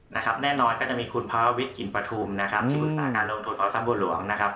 แน่นอนก็จะมีคุณพระวิทย์กินประทุมที่บุตรศาสตร์การลงทุนพระอสัมบูรณ์หลวง